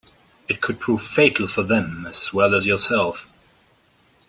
It could prove fatal for them as well as yourself.